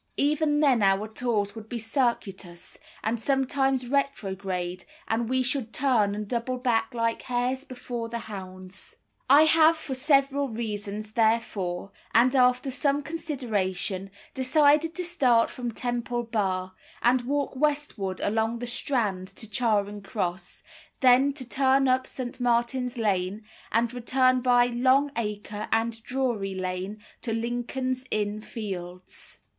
Even then our tours would be circuitous, and sometimes retrograde, and we should turn and double like hares before the hounds. I have for several reasons, therefore, and after some consideration, decided to start from Temple Bar, and walk westward along the Strand to Charing Cross; then to turn up St. Martin's Lane, and return by Longacre and Drury Lane to Lincoln's Inn Fields.